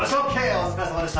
おつかれさまでした。